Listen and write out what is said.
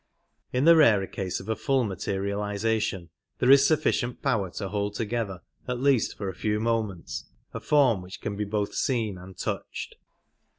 In the rarer case of a full materialization there is sufficient power to hold together, at least for a few moments, a form which can be both seen and touched.